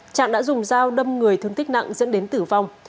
trạng đã dùng dao đâm người thương tích nặng dẫn đến tử vong